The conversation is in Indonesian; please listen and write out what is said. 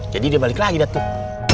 jadi dia balik lagi dapet tuh